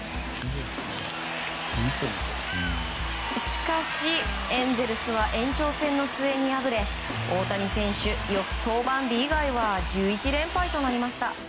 しかしエンゼルスは延長戦の末に敗れ大谷選手登板日以外は１１連敗となりました。